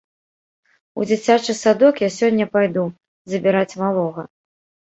У дзіцячы садок я сёння пайду забіраць малога.